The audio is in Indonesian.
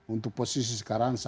untuk posisi sekarang satu lima